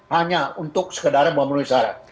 hanya untuk sekedar memenuhi syarat